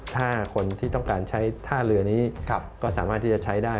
ถ้าคนที่ต้องการใช้ท่าเรือนี้ก็สามารถที่จะใช้ได้